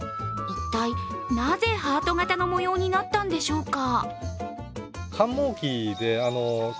一体なぜハート形の模様になったんでしょうか。